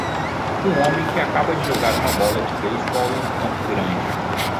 Um homem que acaba de jogar uma bola de beisebol em um campo grande.